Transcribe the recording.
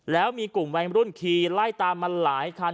แล้วมีกลุ่มวัยรุ่นขี่ไล่ตามมาหลายคัน